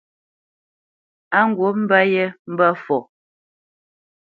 Á ŋgǔt mbə̄ yé mbə̄ fɔ.